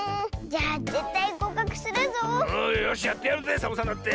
よしやってやるぜサボさんだって。